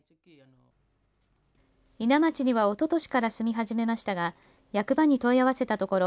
伊奈町にはおととしから住み始めましたが役場に問い合わせたところ